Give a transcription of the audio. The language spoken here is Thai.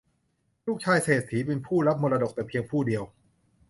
ลูกชายเศรษฐีเป็นผู้รับมรดกแต่เพียงผู้เดียว